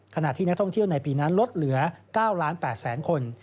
ขณะที่นักท่องเที่ยวในปีนั้นลดเหลือ๙๘๐๐๐คน